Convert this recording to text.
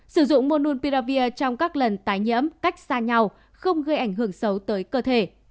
sử dụng mononpiravir trong các lần tái nhiễm cách xa nhau không gây ảnh hưởng xấu tới cơ thể